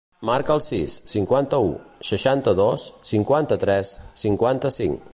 Marca el sis, cinquanta-u, seixanta-dos, cinquanta-tres, cinquanta-cinc.